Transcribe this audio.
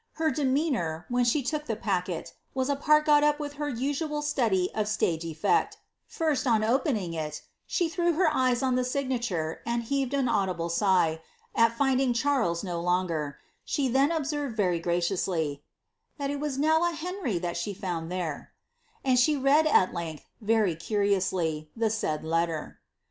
Her demeanour, when she took the packet, was a part got up with her usual study of nage efiecu' First, on opening it, she threw her eyes on the signa ture, and heaved an audible sigh, at finding Charles no longer ; she ^Q observed very graciously, ^Mhat it was now a Henrt that she iband there;'' and she read at length, very curiously, the said letter.